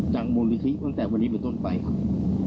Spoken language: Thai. มูลนิธิตั้งแต่วันนี้เป็นต้นไปครับ